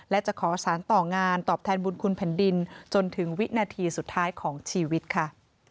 และจะขอสารต่องานตอบแทนบุญคุณแผ่นดินจนถึงวินาทีสุดท้ายของชีวิตค่ะ